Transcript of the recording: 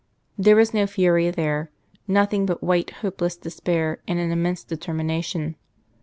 There was no fury there nothing but white, hopeless despair, and an immense determination.